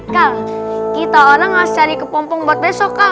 kak kita orang harus cari kepompong buat besok minum ya